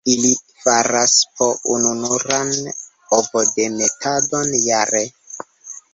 Ili faras po ununuran ovodemetadon jare.